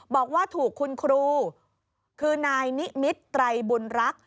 บอกว่าถูกคุณครูคือนายนิมิตรไตรบุญรัก